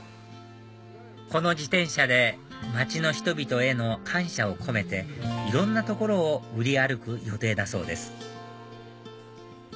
この自転車で町の人々への感謝を込めていろんな所を売り歩く予定だそうです